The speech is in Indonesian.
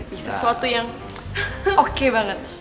ini sesuatu yang oke banget